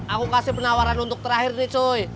aku kasih penawaran untuk terakhir nih choi